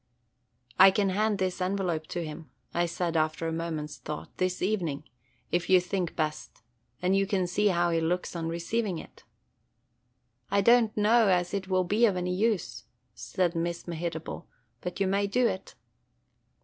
"I can hand this envelope to him," I said after a moment's thought, "this evening, if you think best, and you can see how he looks on receiving it." "I don't know as it will be of any use," said Miss Mehitable, 'but you may do it."